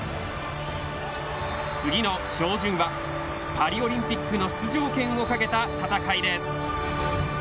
次の照準はパリオリンピックの出場権を懸けた戦いです。